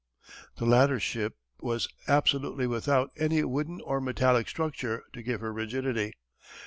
The latter ship was absolutely without any wooden or metallic structure to give her rigidity.